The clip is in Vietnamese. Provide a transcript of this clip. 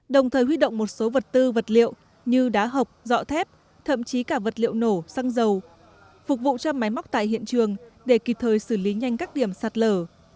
đồng thời huy động một số vật tư vật liệu như đá hộc dọ thép thậm chí cả vật liệu nổ xăng dầu phục vụ cho máy móc tại hiện trường để kịp thời xử lý nhanh các điểm sạt lở